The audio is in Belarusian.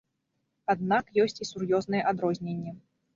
Аднак ёсць і сур'ёзныя адрозненні.